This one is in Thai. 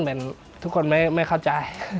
เหมือนทุกคนไม่เข้าใจ